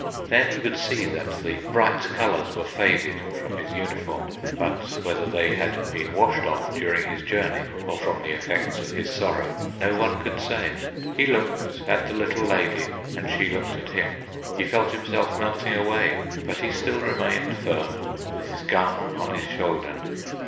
Then he could see that the bright colors were faded from his uniform, but whether they had been washed off during his journey or from the effects of his sorrow, no one could say. He looked at the little lady, and she looked at him. He felt himself melting away, but he still remained firm with his gun on his shoulder.